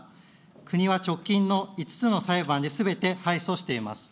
国は直近の５つの裁判ですべて敗訴しています。